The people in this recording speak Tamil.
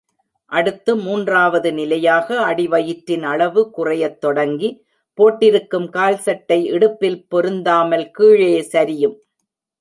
அடுத்து மூன்றாவது நிலையாக அடிவயிற்றின் அளவு குறையத் தொடங்கி போட்டிருக்கும் கால் சட்டை இடுப்பில் பொருந்தாமல் கீழே சரியும்.